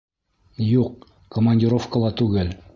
Юҡ, командировкала түгел.